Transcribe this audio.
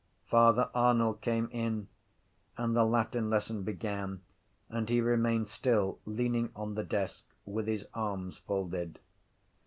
Father Arnall came in and the Latin lesson began and he remained still leaning on the desk with his arms folded.